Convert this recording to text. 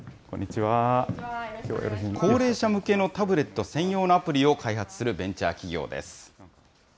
高齢者向けのタブレット専用のアプリを開発するベンチャー企業です。